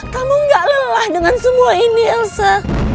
kamu gak lelah dengan semua ini elsa